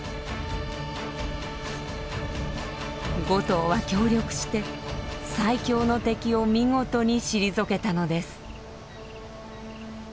５頭は協力して最強の敵を見事に退けたのです。